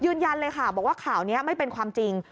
ยืนยันเลยค่ะบอกว่าข่าวนี้ไม่เป็นความจริง